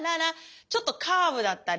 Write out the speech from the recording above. ちょっとカーブだったりストレート